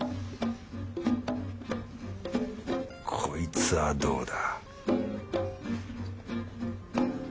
こいつはどうだ